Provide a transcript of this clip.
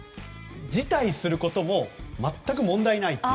辞退することも全く問題ないと。